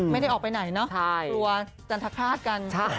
ไม่ได้ออกไปไหนเนอะตัวจันทราภาษณ์กัน